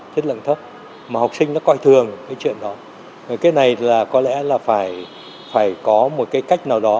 chất lượng thấp mà học sinh nó coi thường cái chuyện đó cái này là có lẽ là phải có một cái cách nào đó